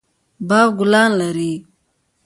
باغ ګلان لري